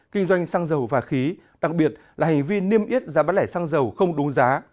kinh doanh xăng dầu và khí đặc biệt là hành vi niêm yết giá bán lẻ xăng dầu không đúng giá